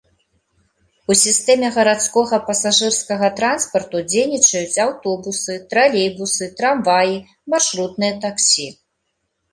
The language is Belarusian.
У сістэме гарадскога пасажырскага транспарту дзейнічаюць аўтобусы, тралейбусы, трамваі, маршрутныя таксі.